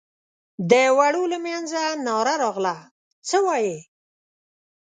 د دوړو له مينځه ناره راغله: څه وايې؟